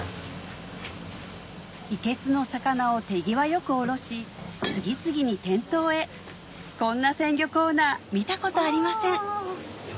いけすの魚を手際良くおろし次々に店頭へこんな鮮魚コーナー見たことありません